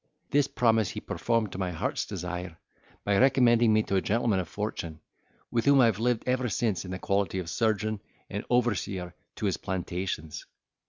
This promise he performed to my heart's desire, by recommending me to a gentleman of fortune, with whom I have lived ever since in quality of surgeon and overseer to his plantations.